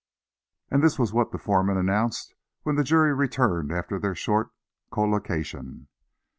And this was what the foreman announced when the jury returned after their short collocation.